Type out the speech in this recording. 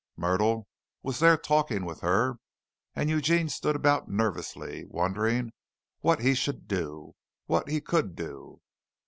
Myrtle was there talking with her, and Eugene stood about nervously, wondering what he should do what he could do.